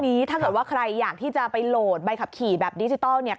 ถ้าเกิดว่าใครอยากที่จะไปโหลดใบขับขี่แบบดิจิทัลเนี่ย